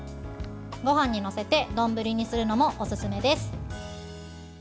ごはんに載せて丼にするのもおすすめです。